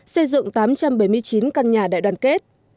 xây dựng tám trăm bảy mươi chín căn nhà đại đoàn kết